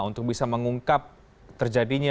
untuk bisa mengungkap terjadinya